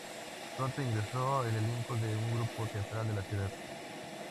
Pronto ingresó al elenco de un grupo teatral de la ciudad.